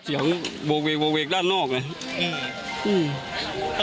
อย่าลืมโวเวกโวเวกโวเวกด้านนอกเลย